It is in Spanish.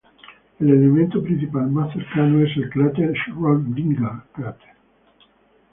El elemento principal más cercano es el cráter Schrödinger crater.